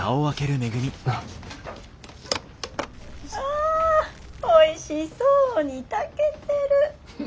あおいしそうに炊けてる。